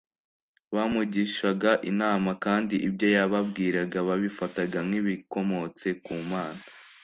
bamugishaga inama kandi ibyo yababwiraga babifataga nk’ibikomotse ku mana